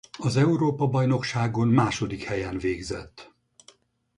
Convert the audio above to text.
Az Európa-bajnokságon második helyen végzett.